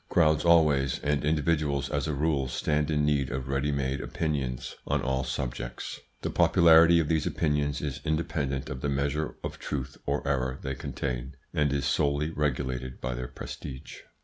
Crowds always, and individuals as a rule, stand in need of ready made opinions on all subjects. The popularity of these opinions is independent of the measure of truth or error they contain, and is solely regulated by their prestige.